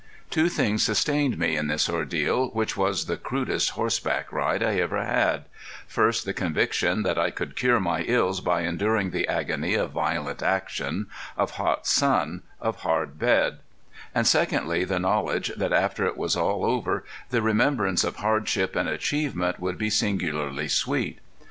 Two things sustained me in this ordeal, which was the crudest horseback ride I ever had first, the conviction that I could cure my ills by enduring the agony of violent action, of hot sun, of hard bed; and secondly, the knowledge that after it was all over the remembrance of hardship and achievement would be singularly sweet.